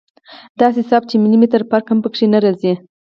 داسې صاف چې ملي مټر فرق هم پکښې نه رځي.